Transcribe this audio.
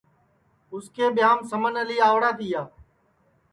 اُس کے ٻیاںٚم سمن اعلی آوڑا تیا